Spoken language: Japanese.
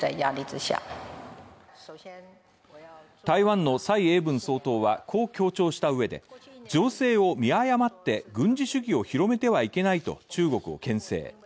台湾の蔡英文総統は、こう強調したうえで、情勢を見誤って軍事主義を広めてはいけないと中国をけん制。